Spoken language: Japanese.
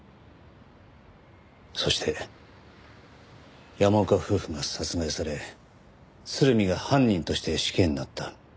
そして山岡夫婦が殺害され鶴見が犯人として死刑になった。